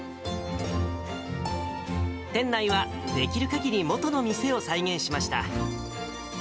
店内はできるかぎり元の店を再現しました。